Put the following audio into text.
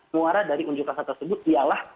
muara dari unjuk rasa tersebut ialah